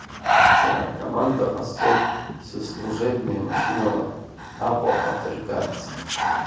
Сара акоманда ҟасҵоит сыслужебни машьынала Аҟәаҟа дыргарц.